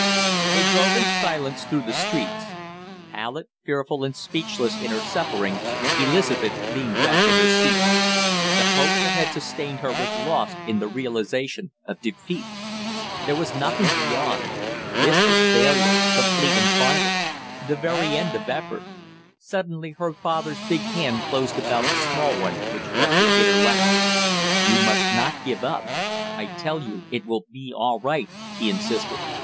They drove in silence through the streets. Pallid, fearful, and speechless in her suffering, Elizabeth leaned back in her seat. The hope that had sustained her was lost in the realization of defeat. There was nothing beyond; this was failure, complete and final; the very end of effort! Suddenly her father's big hand closed about the small one which rested in her lap. "You must not give up; I tell you it will be all right!" he insisted.